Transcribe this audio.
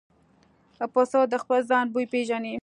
پسه د خپل ځای بوی پېژني.